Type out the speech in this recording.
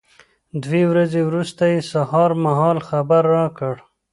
دوې ورځې وروسته یې سهار مهال خبر را کړ.